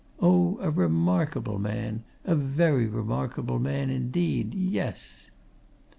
oh, a remarkable man, a very remarkable man indeed yes!"